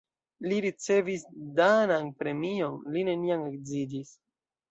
Li ricevis danan premion, li neniam edziĝis.